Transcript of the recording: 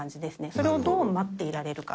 それをどう待っていられるか。